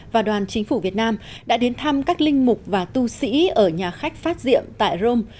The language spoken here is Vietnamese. và đoàn chính phủ việt nam đã đến thăm các linh mục và tu sĩ ở nhà khách phát diệm tại rome